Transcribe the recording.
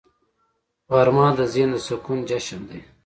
غرمه د ذهن د سکون جشن دی